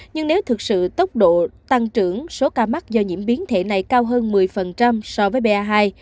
nhưng nếu thực sự tốc độ tăng trưởng số ca mắc do nhiễm biến thể này cao hơn một mươi so với ba hai